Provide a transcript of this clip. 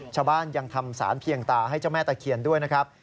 ชาวบ้านยังทำสารเพียงตาให้เจ้าแม่ตะเคียนด้วยนะครับ